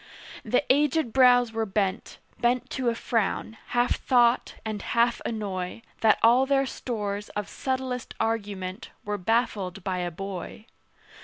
The aged brows were bent, Bent to a frown, half thought, and half annoy, That all their stores of subtlest argument Were baffled by a boy.